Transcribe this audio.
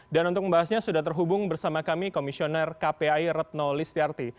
dan untuk membahasnya sudah terhubung bersama kami komisioner kpi retno listiarti